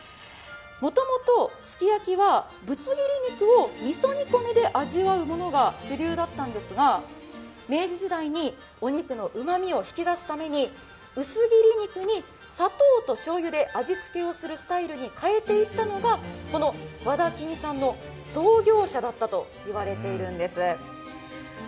もともとすき焼きはぶつ切り肉をみそ煮込みで味わうものが主流だったんですが、明治時代にお肉のうまみを引き出すために薄切り肉に砂糖としょうゆで味付けをするスタイルに変えていったのがこの和田金さんの創業者だったと言われているんです。